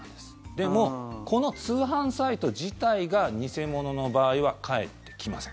でも、この通販サイト自体が偽物の場合は返ってきません。